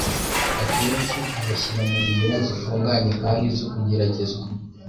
Akenshi abashyira mu nzira zifunganye kandi zo kugeragezwa